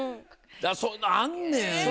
そういうのあんねん。